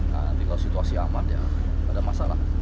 nanti kalau situasi aman ya ada masalah